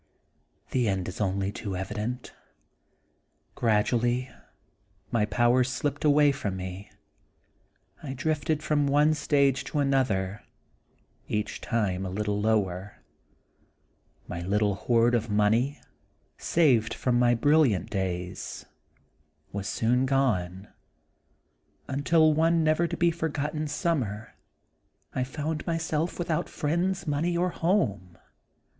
The end is only too evident. Gradually my powers slipped away from me ; I drifted from one stage to another, each time a little lower; my little hoard of money, saved from my brilliant days, was soon gone, until, one never to be forgotten sum mer, I found myself without friends, money, or home.